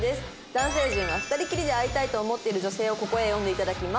男性陣は２人きりで会いたいと思っている女性をここへ呼んで頂きます。